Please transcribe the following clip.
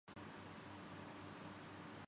لیکن عمران خان یہی کچھ کر رہا ہے۔